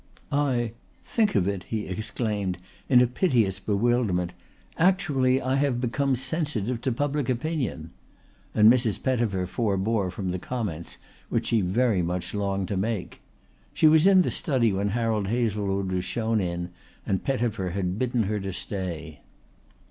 "I think of it!" he exclaimed in a piteous bewilderment, "actually I have become sensitive to public opinion," and Mrs. Pettifer forbore from the comments which she very much longed to make. She was in the study when Harold Hazlewood was shown in, and Pettifer had bidden her to stay.